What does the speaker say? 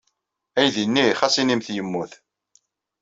Aydi-nni ɣas inimt yemmut.